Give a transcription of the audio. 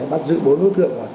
bắt giữ bốn ưu thượng